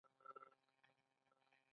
بنارس یو مقدس ښار دی.